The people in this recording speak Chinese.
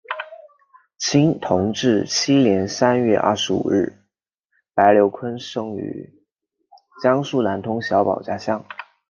清同治七年三月二十五日白毓昆生于江苏南通小保家巷。